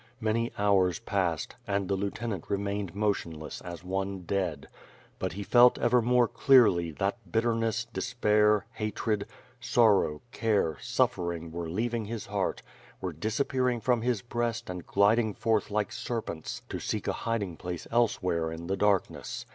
Many hours passed, and the lieutenant remained motionless, as one dead. But he felt, ever more clearly, that bitterness, despair, hatred, sorrow, care, siiifering wore leaving his heart, were disappear ing from his breast and gliding forth like serpents, to seek a hiding place elsewhere in the darkness.